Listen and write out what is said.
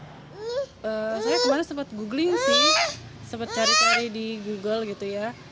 saya kemarin sempat googling sih sempat cari cari di google gitu ya